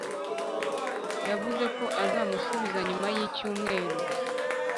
yavuze ko azamusubiza nyuma y'icyumweru